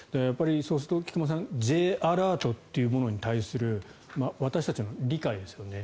そうすると菊間さんＪアラートってものに対する私たちの理解ですよね。